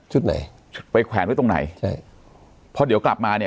ชุดไหนไปแขวนไว้ตรงไหนเพราะเดี๋ยวกลับมาเนี่ย